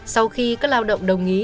sau khi các lao động đồng ý